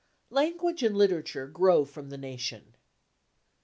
Language and literature grow from the nation.